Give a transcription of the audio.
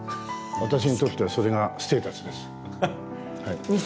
私にとってはそれがステータスです。